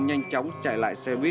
nhanh chóng chạy lại xe buýt